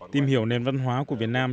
tìm hiểu nền văn hóa của việt nam